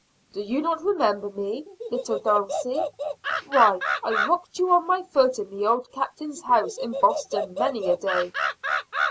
"Do you not remember me, little Dulcy? Why I rocked you on my foot in the old Captain's house in Boston many a day."